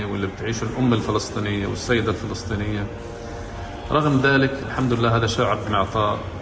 untuk melahirkan buah hatinya di rumah sakit